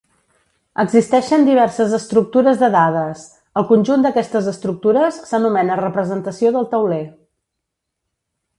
Existeixen diverses estructures de dades; el conjunt d'aquestes estructures s'anomena representació del tauler.